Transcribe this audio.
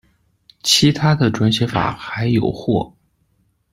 其他的转写法还有或